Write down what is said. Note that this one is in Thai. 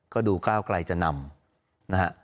ก็ดูก้าวไกลจะนำนะฮะ